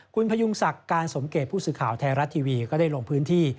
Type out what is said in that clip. คุณพยุงศักดิ์การสมเกตผู้สื่อข่าวไทยรัฐทีวีก็ได้ลงพื้นที่